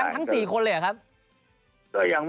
ทั้ง๔คนเลยเหรอครับ